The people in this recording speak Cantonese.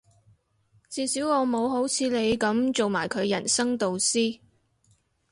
至少我冇好似你噉做埋佢人生導師